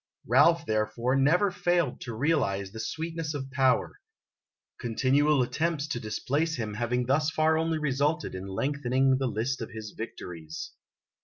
Ralph, therefore, never failed to realize the sweetness of power continual attempts to displace him having thus far only resulted in lengthening the list of his victories.